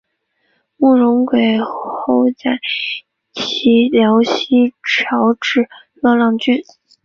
慕容廆后为其在辽西侨置乐浪郡。